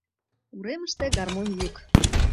Уремыште — гармонь йӱк...